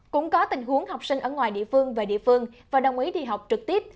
cũng có tình huống học sinh ở ngoài địa phương về địa phương và đồng ý đi học trực tiếp